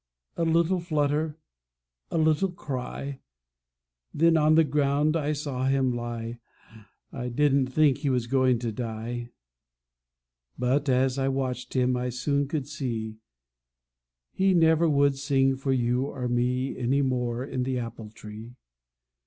A little flutter a little cry Then on the ground I saw him lie. I didn't think he was going to die. But as I watched him I soon could see He never would sing for you or me Any more in the apple tree.